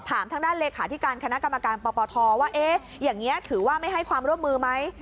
ถามทางด้านเลขาธิการคณะกรรมการปปทว่าเอ๊ะอย่างนี้ถือว่าไม่ให้ความร่วมมือไหม